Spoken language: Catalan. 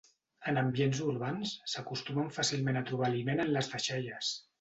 En ambients urbans, s'acostumen fàcilment a trobar aliment en les deixalles.